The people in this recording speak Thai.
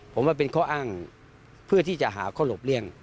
ผมว่าเป็นข้ออ้างเพื่อที่จะหาข้อหลบเลี่ยง